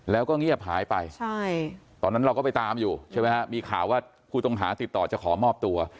แล้วก็เงียบหายไปใช่ตอนนั้นเราก็ไปตามอยู่ใช่ไหมฮะมีข่าวว่าผู้ต้องหาติดต่อจะขอมอบตัว